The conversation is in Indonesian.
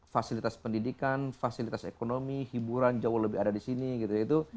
fasilitas pendidikan fasilitas ekonomi hiburan jauh lebih ada di sini gitu